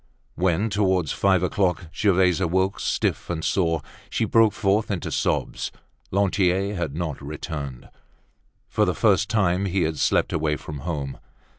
When, towards five o'clock, Gervaise awoke, stiff and sore, she broke forth into sobs. Lantier had not returned. For the first time he had slept away from home.